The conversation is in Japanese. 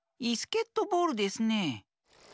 イスケットボールですね。